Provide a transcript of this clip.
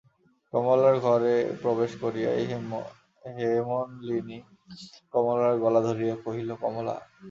কমলার ঘরে প্রবেশ করিয়াই হেমনলিনী কমলার গলা ধরিয়া কহিল, কমলা!